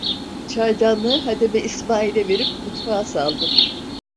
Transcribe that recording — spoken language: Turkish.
Çaydanlığı hademe İsmail'e verip mutfağa saldım.